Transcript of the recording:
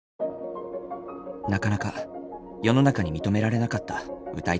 なかなか世の中に認められなかった歌い手たち。